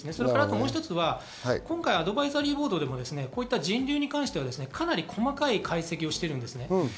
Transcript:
もう一つ、今回アドバイザリーボードでこうした人流に関してはかなり細かい解析をしているんです。